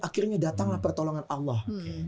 akhirnya datanglah pertolongan allah